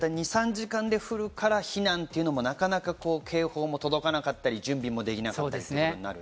２３時間で降るから避難というのもなかなか警報も届かなかったり、準備もできなかったりする。